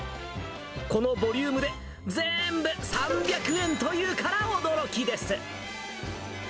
このボリュームで、全部３００円というから驚きです。